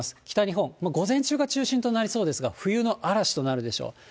北日本、午前中が中心となりそうですが、冬の嵐となるでしょう。